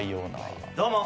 どうも。